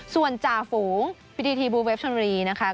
ส่วนจ่าฝูงพิธีทีบูเวฟชนบุรีนะคะ